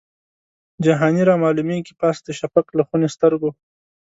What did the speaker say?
جهاني رامعلومیږي پاس د شفق له خوني سترګو